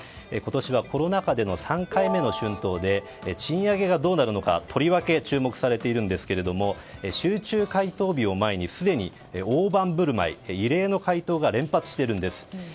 今年はコロナ禍での３回目の春闘で賃上げがどうなるのか、とりわけ注目されているんですけれども集中回答日を前にすでに大盤振る舞い異例の回答が連発しているんです。